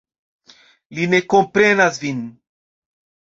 Li ne komprenas vin.